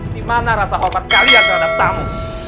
di mana rasa hormat kalian terhadap tamu